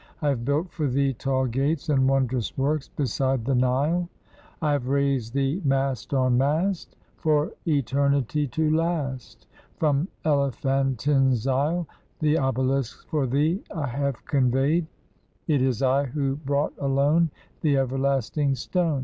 I have built for thee tall gates and wondrous works, beside the Nile, I have raised thee mast on mast, For eternity to last, From Elephantin's isle The obelisks for thee I have conveyed, It is I who brought alone The everlasting stone.